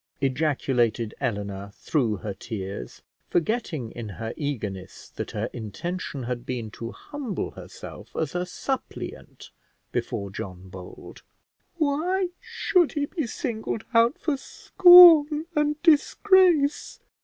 ejaculated Eleanor through her tears, forgetting in her eagerness that her intention had been to humble herself as a suppliant before John Bold; "why should he be singled out for scorn and disgrace?